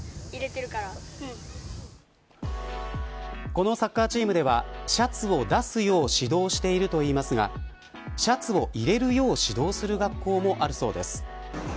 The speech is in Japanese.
このサッカーチームではシャツを出すよう指導しているといいますがシャツを入れるよう指導する学校もあるそうです。